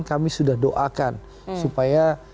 kami sudah doakan supaya